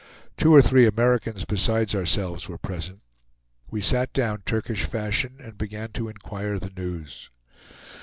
Two or three Americans, besides ourselves, were present. We sat down Turkish fashion, and began to inquire the news.